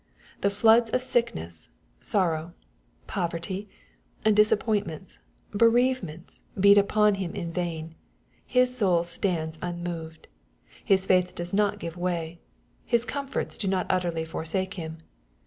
The floods of sickness, sorrow, poverty, disappointments, bereavements beat upon him in vain. His soul stands unmoved. His faith does not give way. Hisconifortsdonotutterlyforsakehim.